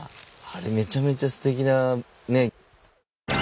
めちゃめちゃすてきなね。